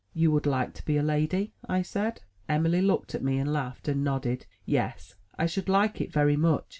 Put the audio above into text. "You would like to be a lady?" I said. Emily looked at me, and laughed, and nodded "yes." "I should like it very /^^^ much.